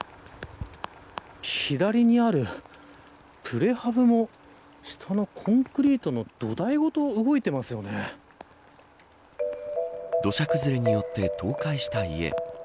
左にあるプレハブも下のコンクリートの土台ごと土砂崩れによって倒壊した家。